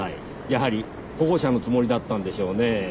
やはり保護者のつもりだったんでしょうねぇ。